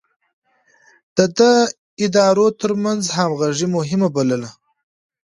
ده د ادارو ترمنځ همغږي مهمه بلله.